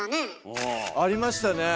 ありましたねえ。